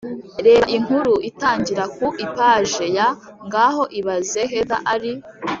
Reba inkuru itangira ku ipaji ya Ngaho ibaze Heather ari